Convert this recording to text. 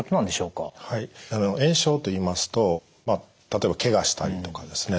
はい炎症といいますと例えばけがしたりとかですね